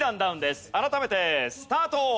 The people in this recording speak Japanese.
改めてスタート！